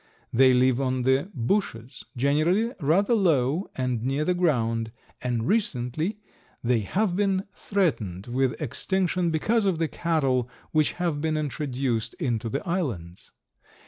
They live on the bushes, generally rather low and near the ground, and recently they have been threatened with extinction because of the cattle which have been introduced into the islands.